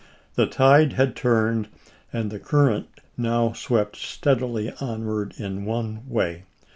The tide had turned, and the current now swept steadily onward in one way.